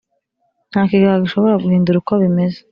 Nta kigega gishobora guhindura uko bimeze